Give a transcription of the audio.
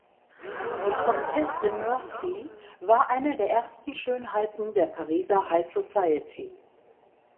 Die Comtesse de Mercy war eine der ersten Schönheiten der Pariser High Society.